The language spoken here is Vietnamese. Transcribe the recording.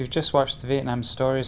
đã gần bốn năm